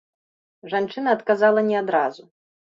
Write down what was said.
Жанчына адказала не адразу.